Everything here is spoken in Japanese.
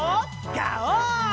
ガオー！